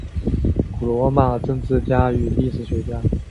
古罗马政治家与历史学家。